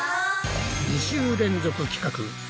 ２週連続企画